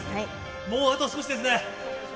もうあと少しですね。